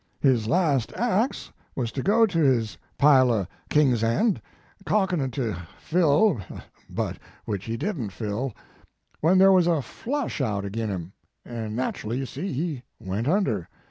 His last acts was to go to his pile o kings tf^ (calklatin 62 Mark Twain to fill but which he didn t fill) when there was a flush out agin him, and naturally, you see, he went under.